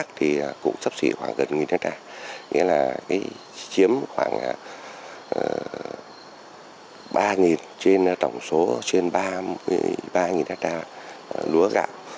các dống lúa khác thì cũng sắp xỉ khoảng gần một hecta nghĩa là chiếm khoảng ba trên tổng số trên ba hecta lúa gạo